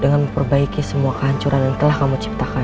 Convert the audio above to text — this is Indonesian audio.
dengan memperbaiki semua kehancuran yang telah kamu ciptakan